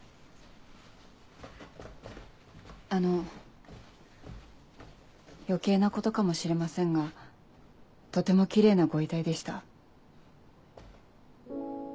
あの余計なことかもしれませんがとてもキレイなご遺体でした。